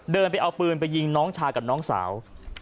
เดินไปเอาปืนไปยิงน้องชายกับน้องสาว